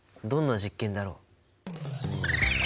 どんな実験だろう？